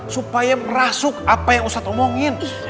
supaya merasuk apa yang ustadz omongin